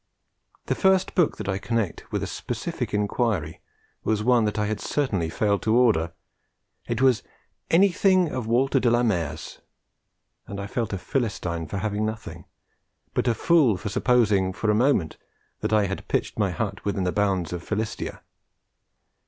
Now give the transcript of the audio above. The first book that I connect with a specific inquiry was one that I had certainly failed to order. It was 'anything of Walter de la Mare's'; and I felt a Philistine for having nothing, but a fool for supposing for a moment that I had pitched my hut within the boundaries of Philistia.